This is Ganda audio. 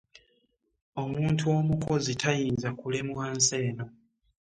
Omuntu omukozi tayinza kulemwa nsi eno.